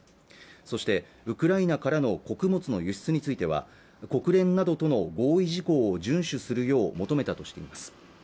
そしてウクライナからの穀物の輸出については国連などとの合意事項を順守するよう求めたとしています